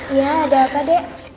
iya ada apa dek